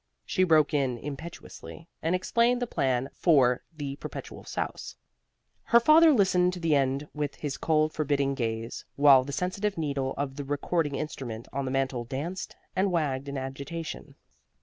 She broke in impetuously, and explained the plan for the Perpetual Souse. Her father listened to the end with his cold, forbidding gaze, while the sensitive needle of the recording instrument on the mantel danced and wagged in agitation.